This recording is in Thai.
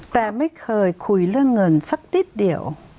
แต่ไม่เคยคุยเรื่องเงินสักนิดเดียว